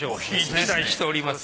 期待しております。